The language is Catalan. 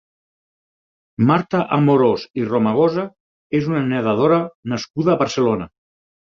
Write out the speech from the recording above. Marta Amorós i Romagosa és una nedadora nascuda a Barcelona.